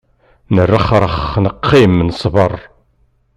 Nerrexrex neqqim nesber.